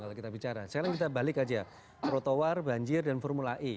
sekarang kita balik aja trotoar banjir dan formula i